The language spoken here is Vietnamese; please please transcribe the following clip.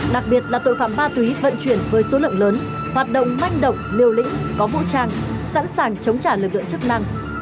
đặc biệt là tội phạm ma túy vận chuyển với số lượng lớn hoạt động manh động liều lĩnh có vũ trang sẵn sàng chống trả lực lượng chức năng